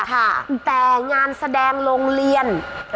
แต่งานแสดงโรงเรียน